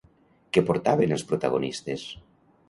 Què portaven els protagonistes?